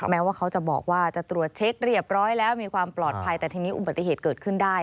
แม้ว่าเขาจะบอกว่าจะตรวจเช็คเรียบร้อยแล้วมีความปลอดภัยแต่ทีนี้อุบัติเหตุเกิดขึ้นได้